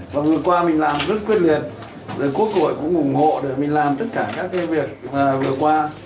và vừa qua mình làm rất quyết liệt quốc hội cũng ủng hộ để mình làm tất cả các cái việc vừa qua